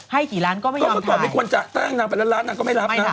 ให้กี่ล้านก็ไม่ยอมถ่ายคือนังประกาศว่านางไม่ถ่ายเลยนะ